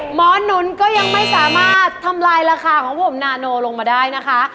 หนุนก็ยังไม่สามารถทำลายราคาของผมนาโนลงมาได้นะคะ